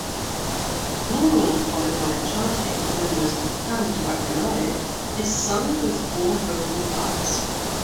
Rural polyphonic chanting known as "cantu a tenore" is sung with four vocal parts.